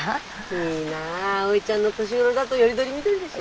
いいなあおいちゃんの年頃だとより取り見取りでしょ。